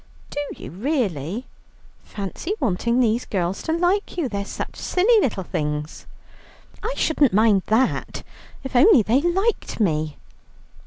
"Do you really? Fancy wanting these girls to like you; they're such silly little things." "I shouldn't mind that if only they liked me."